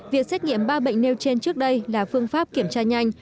việc xét nghiệm ba bệnh nêu trên trước đây là phương pháp kiểm tra nhanh